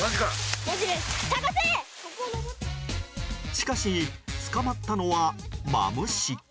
しかし、捕まったのはマムシ。